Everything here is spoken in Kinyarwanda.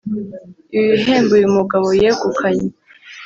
Ibi bihembo uyu mugabo yegukanye